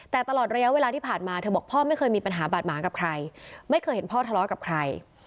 แต่ตลอดระยะเวลาที่ผ่านมาเธอบอกพ่อไม่เคยมีปัญหาบาดหมางกับใครไม่เคยเห็นพ่อทะเลาะกับใคร